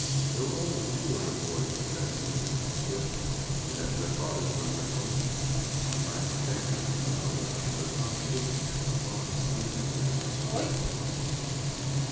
There were only two other boys besides Stephen in the skip, and as their fathers were with them it might be dangerous to meddle with them; so Tim fixed upon Stephen as his prey.